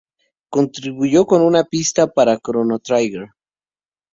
Contribuyó con una pista para "Chrono Trigger".